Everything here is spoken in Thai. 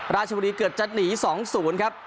ราชบุรีเกือบจะหนี๒๐ครับ